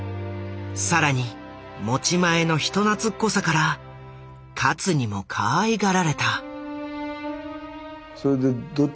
更に持ち前の人懐っこさから勝にもかわいがられた。